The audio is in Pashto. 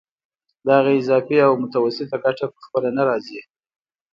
دغه اضافي او متوسطه ګټه په خپله نه راځي